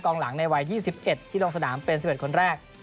หลังในวัย๒๑ที่ลงสนามเป็น๑๑คนแรก